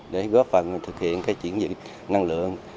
để góp phần thực hiện chuyển dựng năng lượng